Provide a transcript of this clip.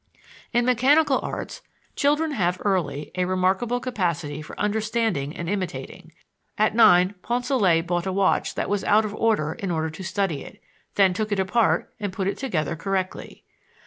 In mechanical arts children have early a remarkable capacity for understanding and imitating. At nine, Poncelet bought a watch that was out of order in order to study it, then took it apart and put it together correctly.